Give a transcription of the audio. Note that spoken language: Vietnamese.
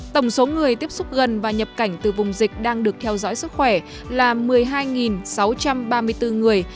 tổng số người tiếp xúc gần và nhập cảnh từ vùng dịch đang được theo dõi sức khỏe là một mươi hai sáu trăm ba mươi bốn người